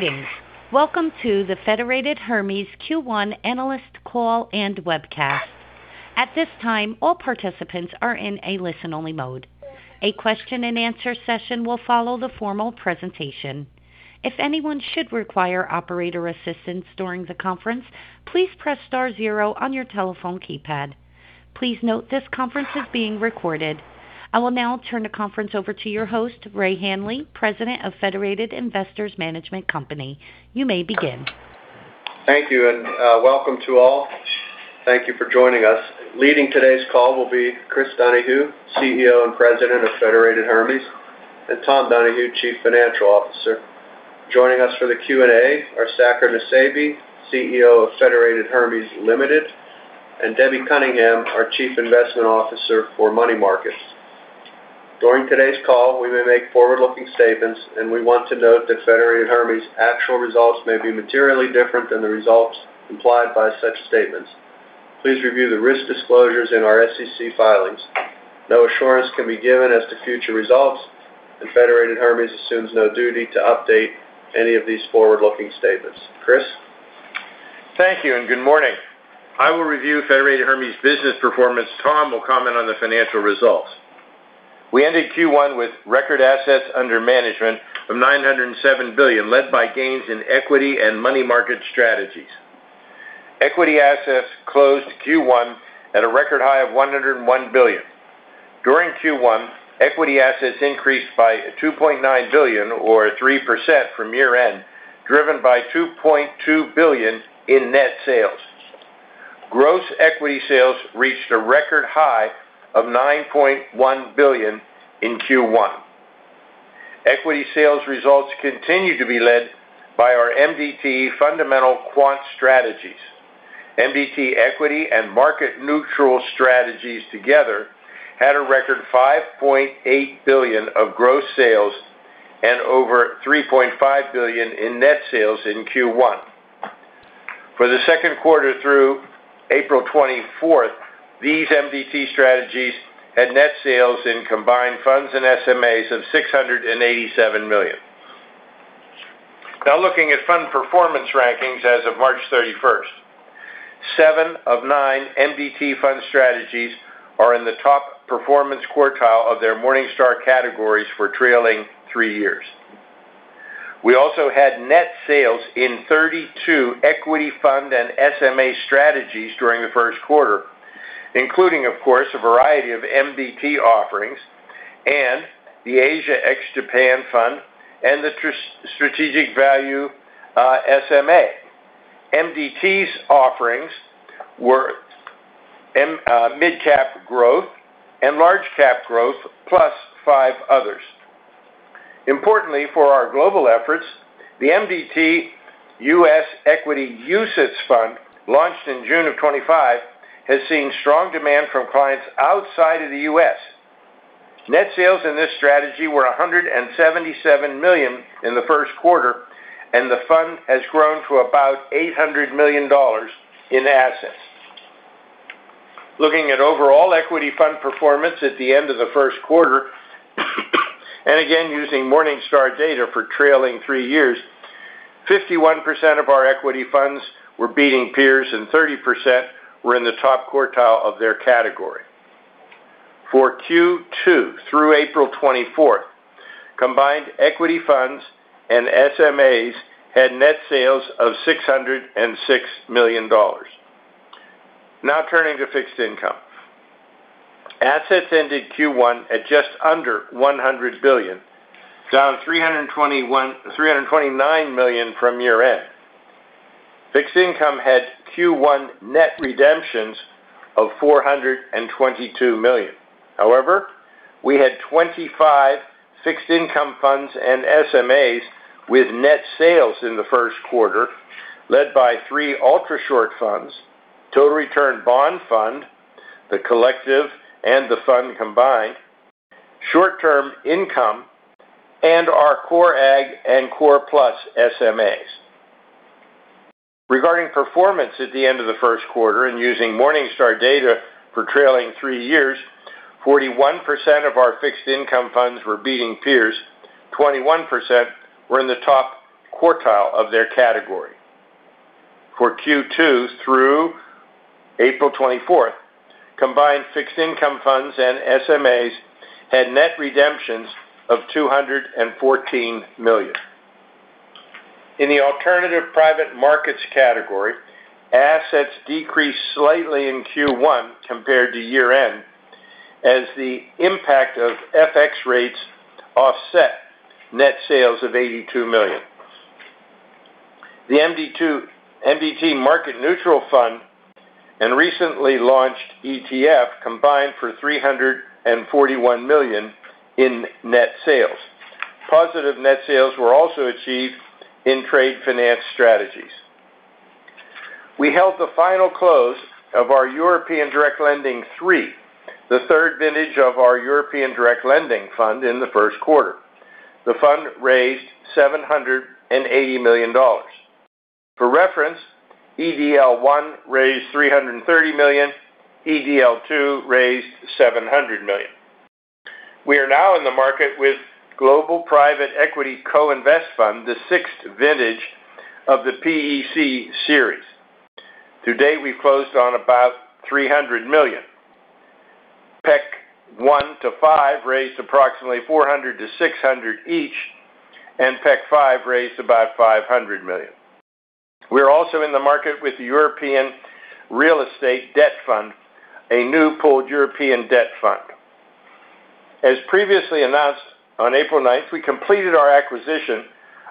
Greetings. Welcome to the Federated Hermes Q1 analyst call and webcast. At this time, all participants are in a listen-only mode. A question and answer session will follow the formal presentation. If anyone should require operator assistance during the conference, please press star zero on your telephone keypad. Please note this conference is being recorded. I will now turn the conference over to your host, Ray Hanley, President of Federated Investors Management Company. You may begin. Thank you, welcome to all. Thank you for joining us. Leading today's call will be Chris Donahue, CEO and President of Federated Hermes, and Tom Donahue, Chief Financial Officer. Joining us for the Q&A are Saker Nusseibeh, CEO of Federated Hermes Limited, and Debbie Cunningham, our Chief Investment Officer for Money Markets. During today's call, we may make forward-looking statements, and we want to note that Federated Hermes actual results may be materially different than the results implied by such statements. Please review the risk disclosures in our SEC filings. No assurance can be given as to future results, and Federated Hermes assumes no duty to update any of these forward-looking statements. Chris. Thank you, and good morning. I will review Federated Hermes business performance. Tom will comment on the financial results. We ended Q1 with record assets under management of $907 billion, led by gains in equity and money market strategies. Equity assets closed Q1 at a record high of $101 billion. During Q1, equity assets increased by $2.9 billion or 3% from year-end, driven by $2.2 billion in net sales. Gross equity sales reached a record high of $9.1 billion in Q1. Equity sales results continue to be led by our MDT fundamental quant strategies. MDT equity and Market Neutral strategies together had a record $5.8 billion of gross sales and over $3.5 billion in net sales in Q1. For the second quarter through April 24th, these MDT strategies had net sales in combined funds and SMAs of $687 million. Now looking at fund performance rankings as of March 31st. Seven of nine MDT fund strategies are in the top performance quartile of their Morningstar categories for trailing three years. We also had net sales in 32 Equity Fund and SMA strategies during the first quarter, including, of course, a variety of MDT offerings and the Asia ex-Japan Fund and the Strategic Value SMA. MDT's offerings were mid-cap growth and large cap growth, plus five others. Importantly, for our global efforts, the MDT US Equity UCITS Fund, launched in June of 2025, has seen strong demand from clients outside of the U.S. Net sales in this strategy were $177 million in the 1st quarter, and the fund has grown to about $800 million in assets. Looking at overall Equity Fund Performance at the end of the first quarter, and again using Morningstar data for trailing 3 years, 51% of our Equity Funds were beating peers and 30% were in the top quartile of their category. For Q2 through April 24th, combined Equity Funds and SMAs had net sales of $606 million. Now turning to Fixed Income. Assets ended Q1 at just under $100 billion, down $329 million from year-end. Fixed Income had Q1 net redemptions of $422 million. We had 25 Fixed Income Funds and SMAs with net sales in the first quarter, led by three Ultrashort Funds, Total Return Bond Fund, the Collective and the Fund combined, Short-Term Income, and our Core Agg and Core Plus SMAs. Regarding performance at the end of the first quarter and using Morningstar data for trailing three years, 41% of our fixed income funds were beating peers. 21% were in the top quartile of their category. For Q2 through April 24th, combined Fixed Income Funds and SMAs had net redemptions of $214 million. In the Alternative Private Markets category, assets decreased slightly in Q1 compared to year-end, as the impact of FX rates offset net sales of $82 million. The MDT Market Neutral Fund and recently launched ETF combined for $341 million in net sales. Positive net sales were also achieved in trade finance strategies. We held the final close of our European Direct Lending III, the third vintage of our European Direct Lending Fund in the first quarter. The fund raised $780 million. For reference, EDL I raised $330 million. EDL II raised $700 million. We are now in the market with global private equity co-invest fund, the sixth vintage of the PEC series. To date, we've closed on about $300 million. PEC I-V raised approximately $400 million-$600 million each, and PEC V raised about $500 million. We're also in the market with the European Real Estate Debt Fund, a new pooled European debt fund. As previously announced, on April 9th, we completed our acquisition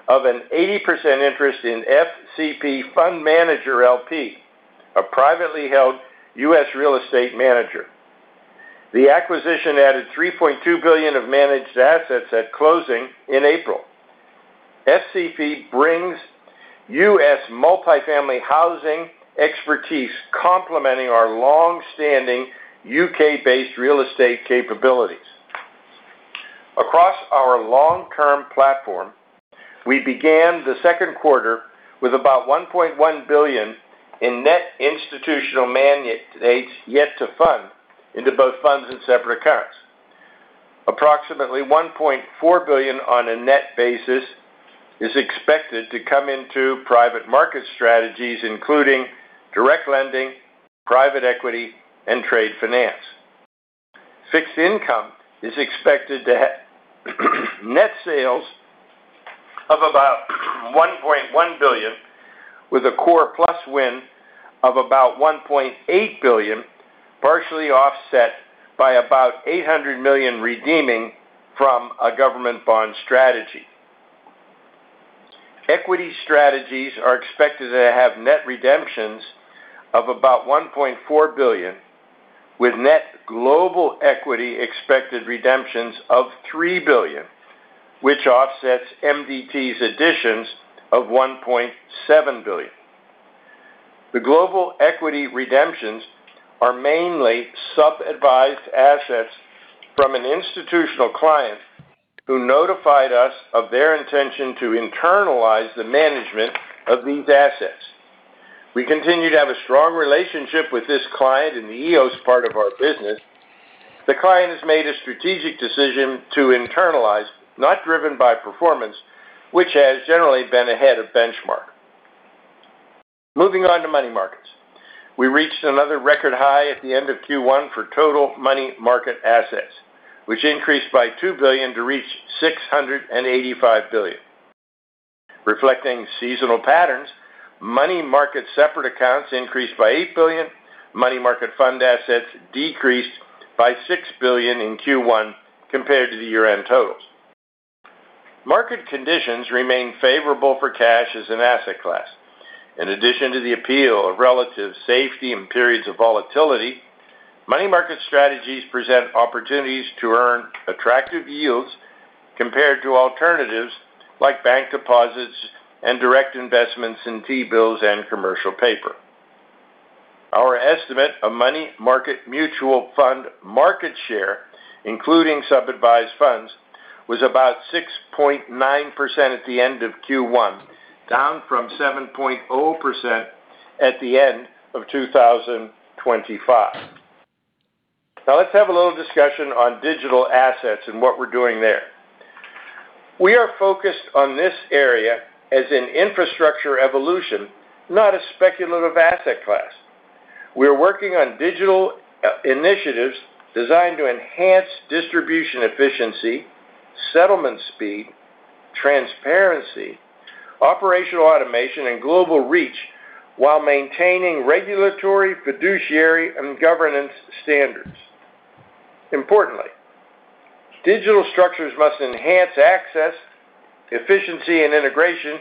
of an 80% interest in FCP Fund Manager LP, a privately held U.S. real estate manager. The acquisition added $3.2 billion of managed assets at closing in April. FCP brings U.S. multi-family housing expertise complementing our long-standing U.K.-based real estate capabilities. Across our long-term platform, we began the second quarter with about $1.1 billion in net institutional mandates yet to fund into both funds and separate accounts. Approximately $1.4 billion on a net basis is expected to come into private market strategies, including direct lending, private equity, and trade finance. Fixed income is expected to have net sales of about $1.1 billion, with a Core Plus win of about $1.8 billion, partially offset by about $800 million redeeming from a government bond strategy. Equity strategies are expected to have net redemptions of about $1.4 billion, with net global equity expected redemptions of $3 billion, which offsets MDT's additions of $1.7 billion. The global equity redemptions are mainly sub-advised assets from an institutional client who notified us of their intention to internalize the management of these assets. We continue to have a strong relationship with this client in the EOS part of our business. The client has made a strategic decision to internalize, not driven by performance, which has generally been ahead of benchmark. Moving on to Money Markets. We reached another record high at the end of Q1 for total money market assets, which increased by $2 billion to reach $685 billion. Reflecting seasonal patterns, money market separate accounts increased by $8 billion. Money Market Fund assets decreased by $6 billion in Q1 compared to the year-end totals. Market conditions remain favorable for cash as an asset class. In addition to the appeal of relative safety in periods of volatility, money market strategies present opportunities to earn attractive yields compared to alternatives like bank deposits and direct investments in T-bills and commercial paper. Our estimate of Money Market Mutual Fund market share, including sub-advised funds, was about 6.9% at the end of Q1, down from 7.0% at the end of 2025. Let's have a little discussion on digital assets and what we're doing there. We are focused on this area as an infrastructure evolution, not a speculative asset class. We are working on digital initiatives designed to enhance distribution efficiency, settlement speed, transparency, operational automation, and global reach while maintaining regulatory, fiduciary, and governance standards. Importantly, digital structures must enhance access, efficiency, and integration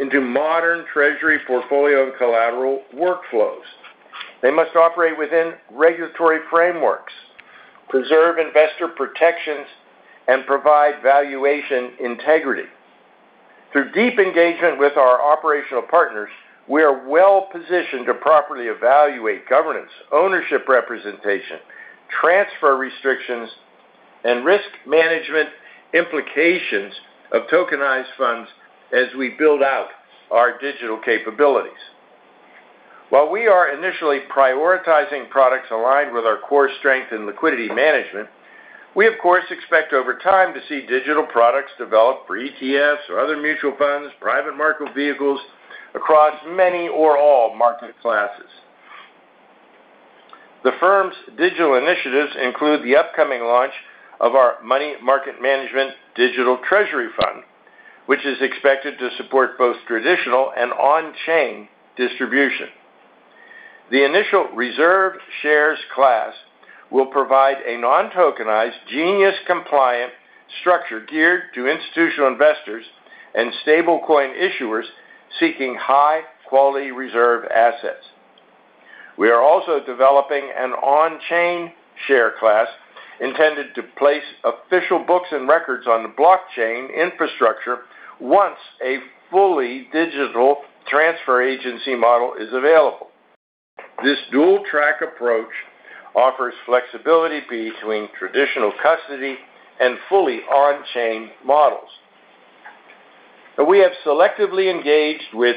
into modern treasury portfolio and collateral workflows. They must operate within regulatory frameworks, preserve investor protections, and provide valuation integrity. Through deep engagement with our operational partners, we are well-positioned to properly evaluate governance, ownership representation, transfer restrictions, and risk management implications of tokenized funds as we build out our digital capabilities. While we are initially prioritizing products aligned with our core strength and liquidity management, we of course expect over time to see digital products developed for ETFs or other mutual funds, private market vehicles across many or all market classes. The firm's digital initiatives include the upcoming launch of our Money Market Management Digital Treasury Fund, which is expected to support both traditional and on-chain distribution. The initial reserve shares class will provide a non-tokenized, GENIUS-compliant structure geared to institutional investors and stablecoin issuers seeking high-quality reserve assets. We are also developing an on-chain share class intended to place official books and records on the blockchain infrastructure once a fully digital transfer agency model is available. This dual-track approach offers flexibility between traditional custody and fully on-chain models. We have selectively engaged with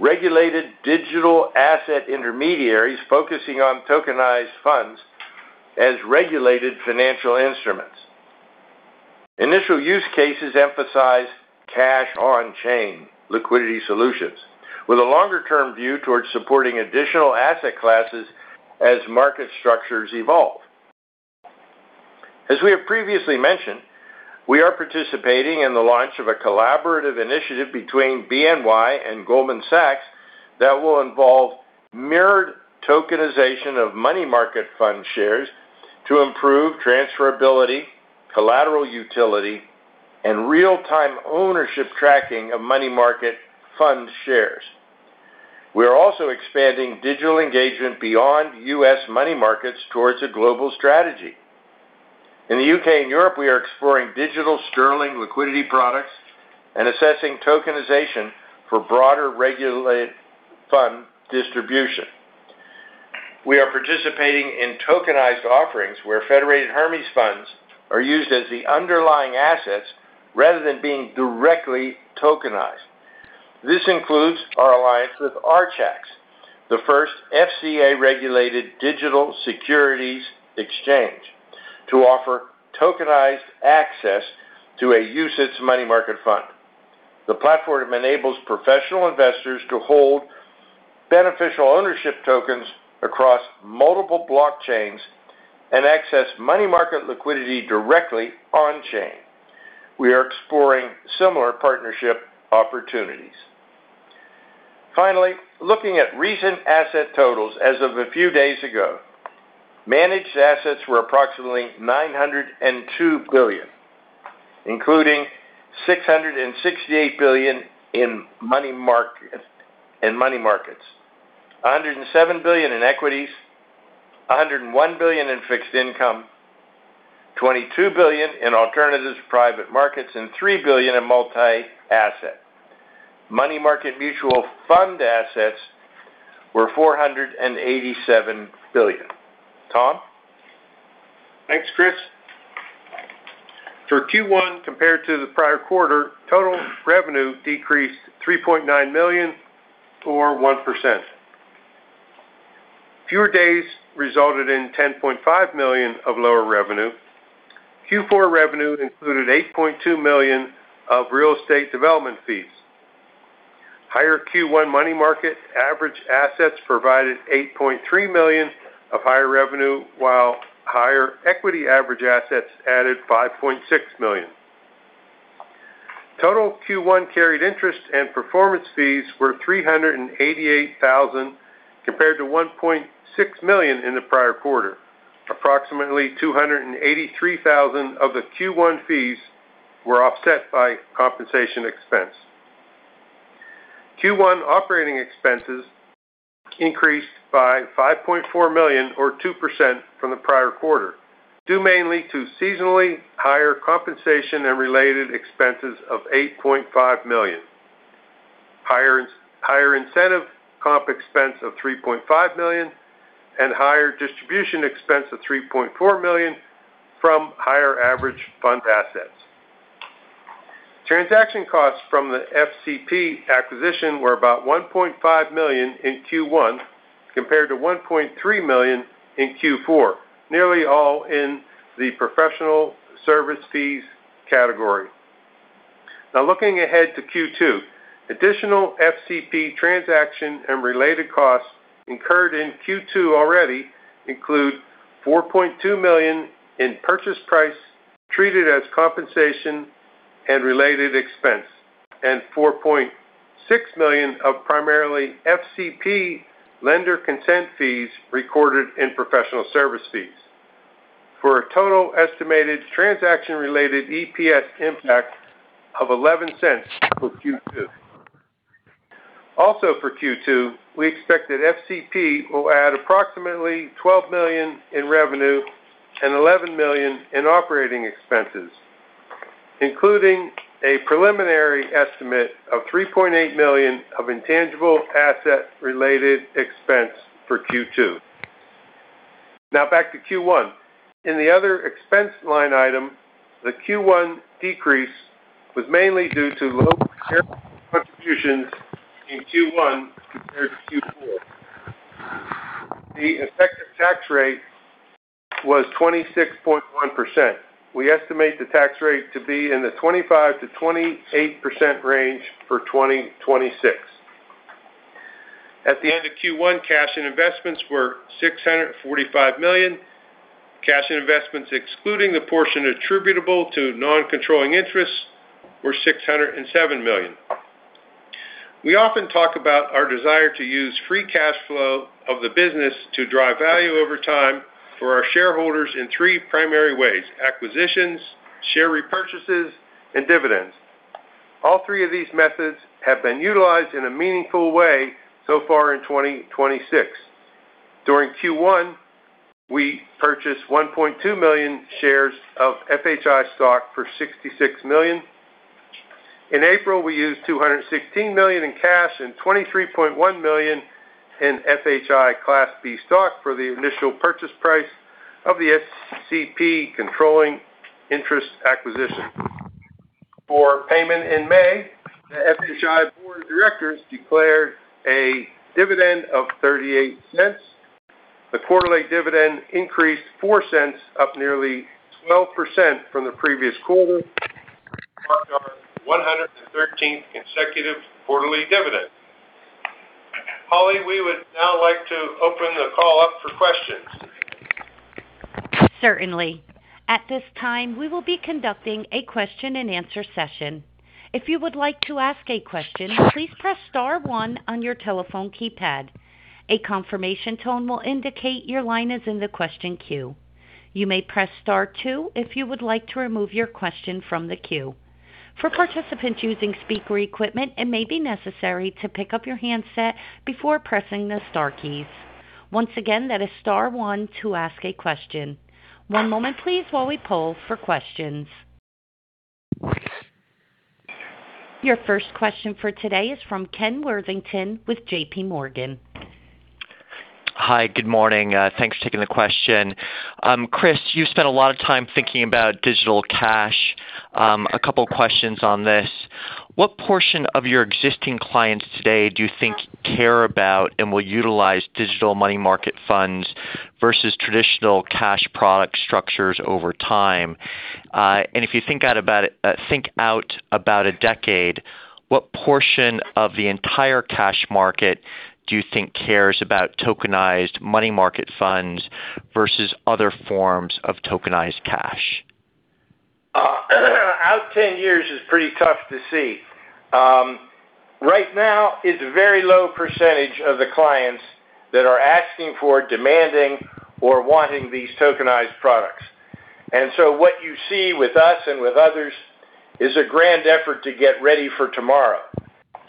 regulated digital asset intermediaries focusing on tokenized funds as regulated financial instruments. Initial use cases emphasize cash on-chain liquidity solutions with a longer-term view towards supporting additional asset classes as market structures evolve. As we have previously mentioned, we are participating in the launch of a collaborative initiative between BNY and Goldman Sachs that will involve mirrored tokenization of Money Market Fund shares to improve transferability, collateral utility, and real-time ownership tracking of Money Market Fund shares. We are also expanding digital engagement beyond U.S. money markets towards a global strategy. In the U.K. and Europe, we are exploring digital sterling liquidity products and assessing tokenization for broader regulated fund distribution. We are participating in tokenized offerings where Federated Hermes funds are used as the underlying assets rather than being directly tokenized. This includes our alliance with Archax, the first FCA-regulated digital securities exchange, to offer tokenized access to a UCITS Money Market Fund. The platform enables professional investors to hold beneficial ownership tokens across multiple blockchains and access money market liquidity directly on-chain. We are exploring similar partnership opportunities. Finally, looking at recent asset totals as of a few days ago, managed assets were approximately $902 billion, including $668 billion in money markets, $107 billion in equities, $101 billion in fixed income, $22 billion in alternatives private markets, and $3 billion in multi-asset. Money Market Mutual Fund assets were $487 billion. Tom. Thanks, Chris. For Q1 compared to the prior quarter, total revenue decreased $3.9 million or 1%. Fewer days resulted in $10.5 million of lower revenue. Q4 revenue included $8.2 million of real estate development fees. Higher Q1 money market average assets provided $8.3 million of higher revenue, while higher equity average assets added $5.6 million. Total Q1 carried interest and performance fees were $388,000 compared to $1.6 million in the prior quarter. Approximately $283,000 of the Q1 fees were offset by compensation expense. Q1 operating expenses increased by $5.4 million or 2% from the prior quarter, due mainly to seasonally higher compensation and related expenses of $8.5 million. Higher incentive comp expense of $3.5 million and higher distribution expense of $3.4 million from higher average fund assets. Transaction costs from the FCP acquisition were about $1.5 million in Q1 compared to $1.3 million in Q4, nearly all in the Professional Service Fees category. Looking ahead to Q2, additional FCP transaction and related costs incurred in Q2 already include $4.2 million in purchase price treated as compensation and related expense, and $4.6 million of primarily FCP lender consent fees recorded in professional service fees. For a total estimated transaction-related EPS impact of $0.11 for Q2. For Q2, we expect that FCP will add approximately $12 million in revenue and $11 million in operating expenses, including a preliminary estimate of $3.8 million of intangible asset-related expense for Q2. Back to Q1. In the other expense line item, the Q1 decrease was mainly due to low contributions in Q1 compared to Q4. The effective tax rate was 26.1%. We estimate the tax rate to be in the 25%-28% range for 2026. At the end of Q1, cash and investments were $645 million. Cash and investments excluding the portion attributable to non-controlling interests were $607 million. We often talk about our desire to use free cash flow of the business to drive value over time for our shareholders in three primary ways: acquisitions, share repurchases, and dividends. All three of these methods have been utilized in a meaningful way so far in 2026. During Q1, we purchased 1.2 million shares of FHI stock for $66 million. In April, we used $216 million in cash and $23.1 million in FHI Class B stock for the initial purchase price of the FCP controlling interest acquisition. For payment in May, the FHI board of directors declared a dividend of $0.38. The quarterly dividend increased $0.04, up nearly 12% from the previous quarter. Mark our 113th consecutive quarterly dividend. Holly, we would now like to open the call up for questions. Certainly. At this time, we will be conducting a question-and-answer session. If you would like to ask a question, please press star one on your telephone keypad. A confirmation tone will indicate your line is in the question queue. You may press star two if you would like to remove your question from the queue. For participants using speaker equipment, it may be necessary to pick up your handset before pressing the star key. Once again, that is star one to ask a question. One moment please while we poll for questions. Your first question for today is from Ken Worthington with JPMorgan. Hi, good morning. Thanks for taking the question. Chris, you spent a lot of time thinking about digital cash. A couple questions on this. What portion of your existing clients today do you think care about and will utilize digital Money Market Funds versus traditional cash product structures over time? And if you think out about a decade, what portion of the entire cash market do you think cares about tokenized Money Market Funds versus other forms of tokenized cash? Out 10 years is pretty tough to see. Right now it's a very low percentage of the clients that are asking for, demanding or wanting these tokenized products. What you see with us and with others is a grand effort to get ready for tomorrow.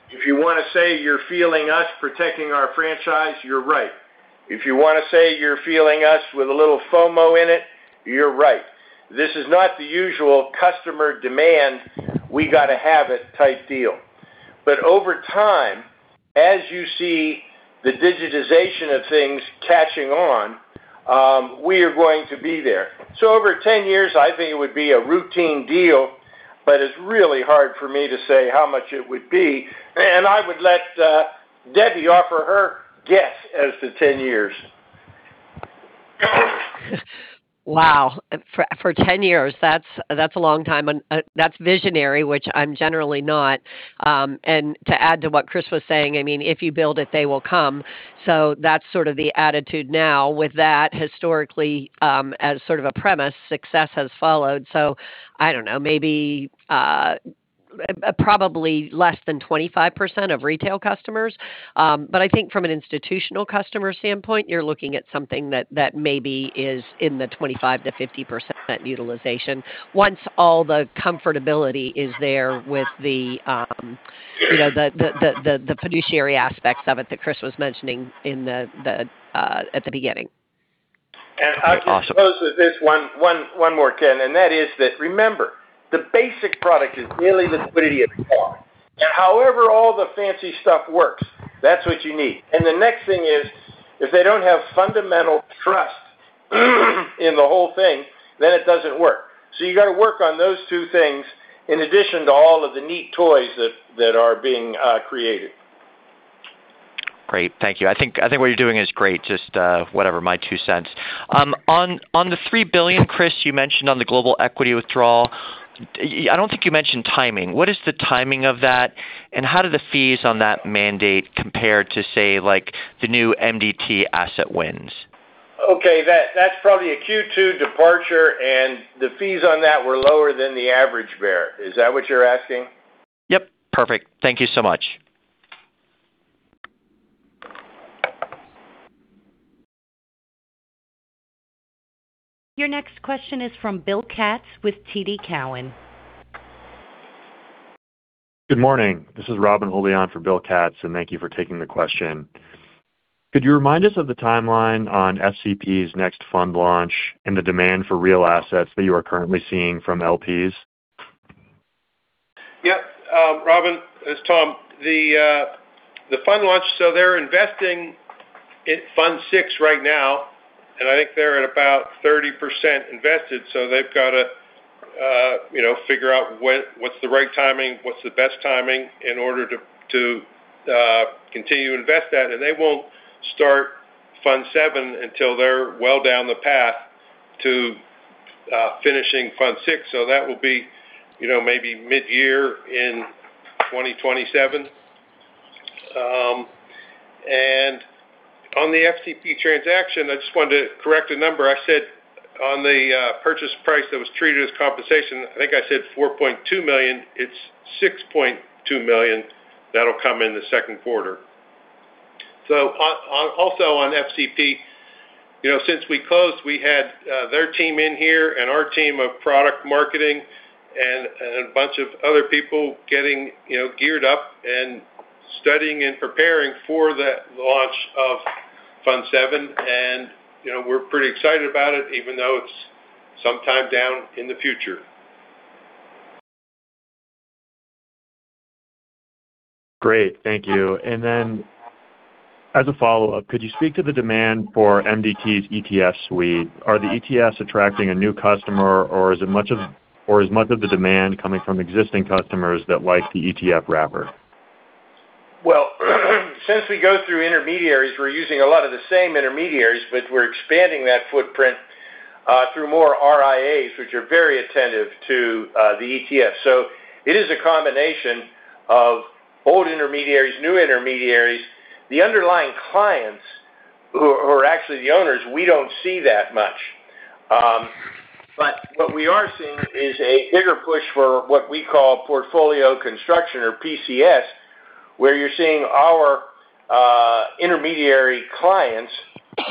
If you want to say you're feeling us protecting our franchise, you're right. If you want to say you're feeling us with a little FOMO in it, you're right. This is not the usual customer demand, we got to have it type deal. Over time, as you see the digitization of things catching on, we are going to be there. Over 10 years, I think it would be a routine deal, but it's really hard for me to say how much it would be. I would let Debbie offer her guess as to 10 years. Wow. For 10 years, that's a long time. That's visionary, which I'm generally not. To add to what Chris was saying, I mean, if you build it, they will come. That's sort of the attitude now with that historically, as sort of a premise, success has followed. I don't know, maybe, probably less than 25% of retail customers. I think from an institutional customer standpoint, you're looking at something that maybe is in the 25%-50% utilization. Once all the comfortability is there with the, you know, the fiduciary aspects of it that Chris was mentioning at the beginning. Awesome. I'll close with this one more, Ken. That is that, remember, the basic product is daily liquidity at par. However all the fancy stuff works, that's what you need. The next thing is, if they don't have fundamental trust in the whole thing, then it doesn't work. You got to work on those two things in addition to all of the neat toys that are being created. Great. Thank you. I think what you're doing is great. Just, whatever, my two cents. On the $3 billion, Chris, you mentioned on the global equity withdrawal. I don't think you mentioned timing. What is the timing of that? How do the fees on that mandate compare to, say, like, the new MDT Asset wins? Okay. That's probably a Q2 departure, and the fees on that were lower than the average bear. Is that what you're asking? Yep. Perfect. Thank you so much. Your next question is from Bill Katz with TD Cowen. Good morning. This is Robin Houlihan for Bill Katz, and thank you for taking the question. Could you remind us of the timeline on FCP's next fund launch and the demand for real assets that you are currently seeing from LPs? Yep. Robin, it's Tom. The fund launch, they're investing in Fund VI right now, and I think they're at about 30% invested. They've got to, you know, figure out what's the right timing, what's the best timing in order to continue to invest that. They won't start Fund VII until they're well down the path to finishing Fund VI. That will be, you know, maybe mid-year in 2027. On the FCP transaction, I just wanted to correct a number. I said on the purchase price that was treated as compensation, I think I said $4.2 million. It's $6.2 million. That'll come in the second quarter. Also on FCP, you know, since we closed, we had their team in here and our team of product marketing and a bunch of other people getting, you know, geared up and studying and preparing for the launch of Fund VII. You know, we're pretty excited about it, even though it's sometime down in the future. Great. Thank you. As a follow-up, could you speak to the demand for MDT's ETF suite? Are the ETFs attracting a new customer or is much of the demand coming from existing customers that like the ETF wrapper? Since we go through intermediaries, we're using a lot of the same intermediaries, but we're expanding that footprint through more RIAs, which are very attentive to the ETF. It is a combination of old intermediaries, new intermediaries. The underlying clients who are actually the owners, we don't see that much. What we are seeing is a bigger push for what we call Portfolio Construction or PCS, where you're seeing our intermediary clients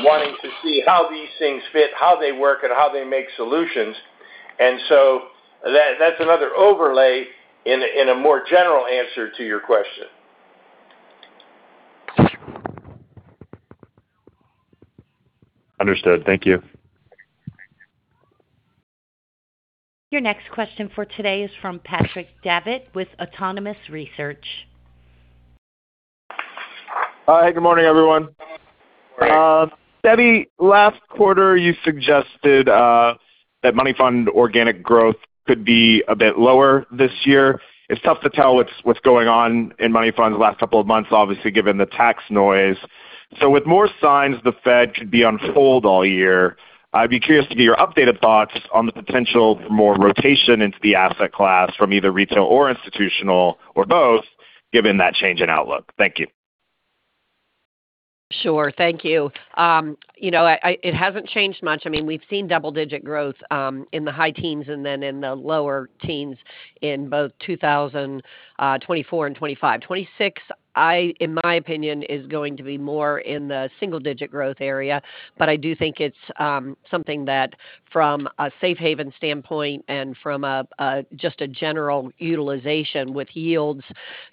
wanting to see how these things fit, how they work, and how they make solutions. That, that's another overlay in a, in a more general answer to your question. Understood. Thank you. Your next question for today is from Patrick Davitt with Autonomous Research. Good morning, everyone. Morning. Debbie, last quarter you suggested that money fund organic growth could be a bit lower this year. It's tough to tell what's going on in money funds the last couple of months, obviously, given the tax noise. With more signs the Fed could be on hold all year, I'd be curious to get your updated thoughts on the potential for more rotation into the asset class from either retail or institutional or both, given that change in outlook. Thank you. Sure. Thank you. You know, I, it hasn't changed much. I mean, we've seen double-digit growth in the high teens and then in the lower teens in both 2024 and 2025. 2026, I, in my opinion, is going to be more in the single-digit growth area. I do think it's something that from a safe haven standpoint and from a just a general utilization with yields,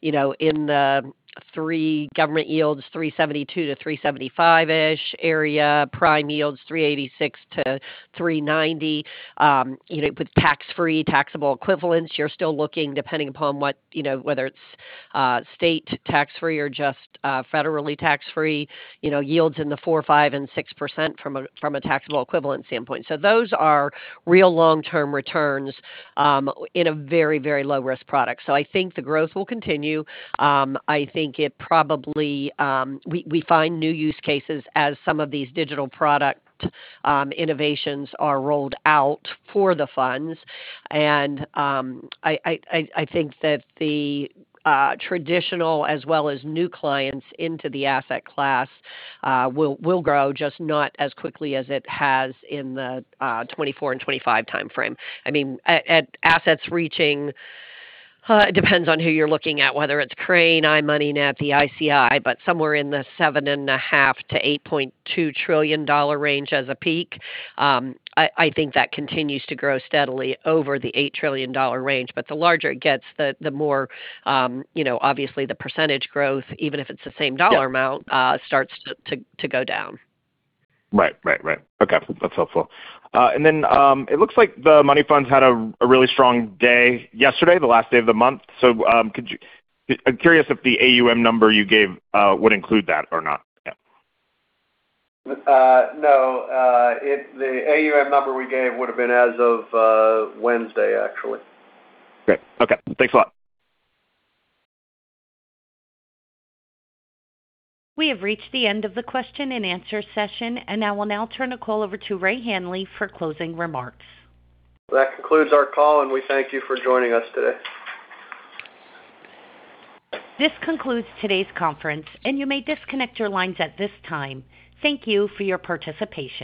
you know, in the three government yields, 3.72%-3.75%ish area, prime yields 3.86%-3.90%. You know, with tax-free taxable equivalents, you're still looking depending upon what, you know, whether it's state tax-free or just federally tax-free, you know, yields in the 4%, 5%, and 6% from a taxable equivalent standpoint. Those are real long-term returns in a very, very low risk product. I think the growth will continue. I think it probably we find new use cases as some of these digital product innovations are rolled out for the funds. I think that the traditional as well as new clients into the asset class will grow, just not as quickly as it has in the 2024 and 2025 timeframe. I mean, at assets reaching, it depends on who you're looking at, whether it's Crane, iMoneyNet, NAPF, ICI, but somewhere in the $7.5 trillion-$8.2 trillion range as a peak. I think that continues to grow steadily over the $8 trillion range. The larger it gets, the more, you know, obviously the percentage growth, even if it's the same dollar amount, starts to go down. Right. Right, right. Okay. That's helpful. It looks like the money funds had a really strong day yesterday, the last day of the month. I'm curious if the AUM number you gave would include that or not? Yeah. No. The AUM number we gave would've been as of Wednesday, actually. Great. Okay. Thanks a lot. We have reached the end of the question and answer session, and I will now turn the call over to Ray Hanley for closing remarks. That concludes our call, and we thank you for joining us today. This concludes today's conference, and you may disconnect your lines at this time. Thank you for your participation.